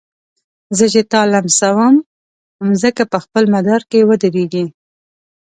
زه چي تا لمسوم مځکه په خپل مدار کي ودريږي